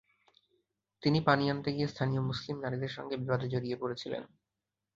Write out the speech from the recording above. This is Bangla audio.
তিনি পানি আনতে গিয়ে স্থানীয় মুসলিম নারীদের সঙ্গে বিবাদে জড়িয়ে পড়েছিলেন।